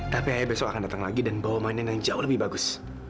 tapi ayo besok akan datang lagi dan bawa mainan yang jauh lebih bagus